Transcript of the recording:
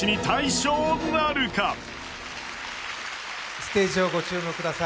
ステージ上、ご注目ください